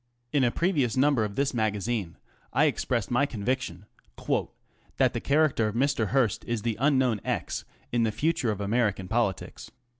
In a previous number of tnis magazine expressed my conviction "that the character < Mr. Hearst is the unknown x in the future < American politics.